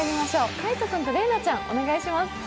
海音君と麗奈ちゃん、お願いします